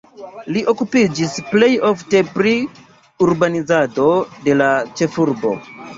Li okupiĝis plej ofte pri urbanizado de la ĉefurbo.